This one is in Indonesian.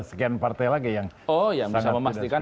sekian partai lagi yang sangat oh yang bisa memastikan